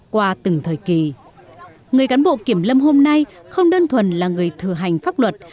qua từng thời kỳ người cán bộ kiểm lâm hôm nay không đơn thuần là người thừa hành pháp luật